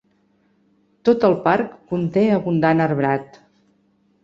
Tot el parc conté abundant arbrat.